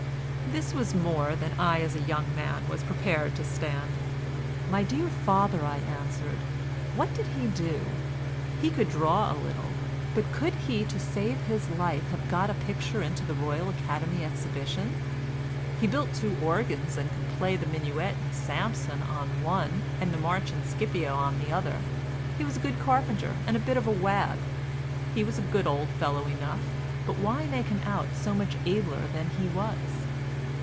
This was more than I as a young man was prepared to stand. "My dear father," I answered, "what did he do? He could draw a little, but could he to save his life have got a picture into the Royal Academy exhibition? He built two organs and could play the Minuet in Samson on one and the March in Scipio on the other; he was a good carpenter and a bit of a wag; he was a good old fellow enough, but why make him out so much abler than he was?"